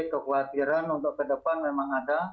kekhawatiran untuk kedepan memang ada